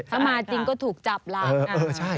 ถ้ามาจริงก็ถูกจับหลาน